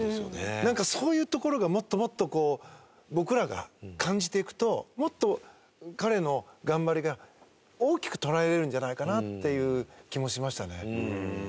なんかそういうところがもっともっと僕らが感じていくともっと彼の頑張りが大きく捉えられるんじゃないかなっていう気もしましたね。